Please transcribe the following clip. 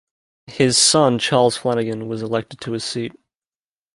His son, Charles Flanagan, was elected to his seat.